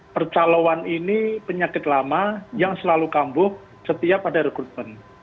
percaloan ini penyakit lama yang selalu kambuh setiap ada rekrutmen